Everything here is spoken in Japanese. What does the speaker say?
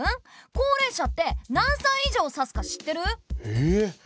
高齢者って何歳以上を指すか知ってる？え！